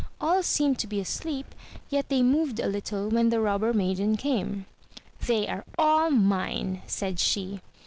All seemed to be asleep, yet they moved a little when the Robber maiden came. "They are all mine," said she.